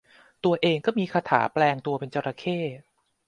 ตัวเองก็มีคาถาแปลงตัวเป็นจระเข้